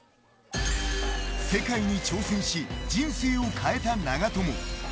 世界に挑戦し人生を変えた長友。